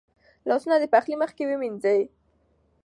لاسونه د پخلي مخکې ومینځئ.